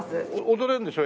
踊れるんでしょ？